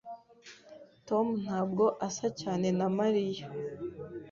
Tom ntabwo asa cyane na Mariya.